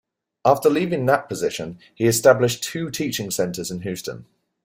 After leaving that position, he established two teaching centers in Houston.